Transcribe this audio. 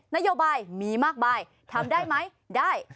นโยบายมีมากมายทำได้ไหมได้